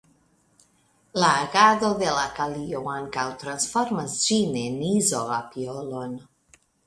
La agado de la kalio ankaŭ transformas ĝin en izoapiolon.